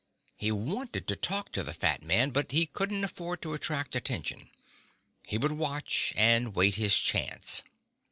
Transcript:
He wanted to talk to the fat man, but he couldn't afford to attract attention. He would watch, and wait his chance.